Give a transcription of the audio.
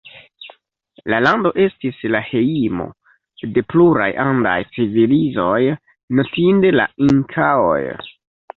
La lando estis la hejmo de pluraj andaj civilizoj, notinde la inkaoj.